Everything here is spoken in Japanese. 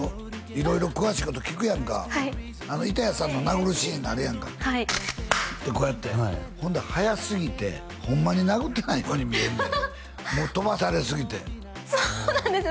色々詳しいこと聞くやんかあの板谷さんの殴るシーンあるやんかってこうやってほんで早すぎてホンマに殴ってないように見えるねんもう飛ばされすぎてそうなんですよ